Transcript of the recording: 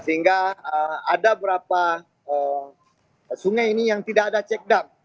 sehingga ada berapa sungai ini yang tidak ada check down